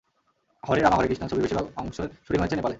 হরে রামা হরে কৃষ্ণা ছবির বেশির ভাগ অংশের শুটিং হয়েছে নেপালে।